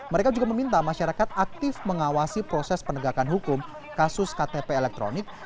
mereka juga meminta masyarakat aktif mengawasi proses penegakan hukum kasus ktp elektronik